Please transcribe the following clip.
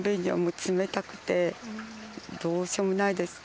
寒くてどうしようもないですね。